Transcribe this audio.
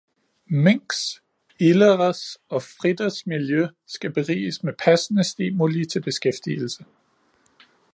Minks, ilderes og fritters miljø skal beriges med passende stimuli til beskæftigelse.